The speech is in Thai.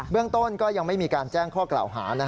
เรื่องต้นก็ยังไม่มีการแจ้งข้อกล่าวหา